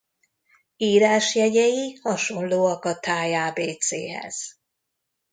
Írásjegyei hasonlóak a thai ábécéhez.